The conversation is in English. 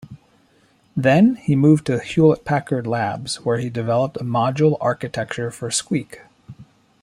Then he moved to Hewlett-Packard Labs, where he developed a module architecture for Squeak.